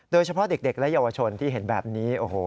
โดยเฉพาะเด็กและเยาวชนที่เห็นแบบนี้โอ้โห